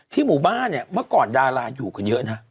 หมู่บ้านเนี่ยเมื่อก่อนดาราอยู่กันเยอะนะ